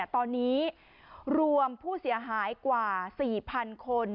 ตอนนี้รวมผู้เสียหายกว่า๔๐๐๐คน